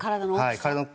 体の？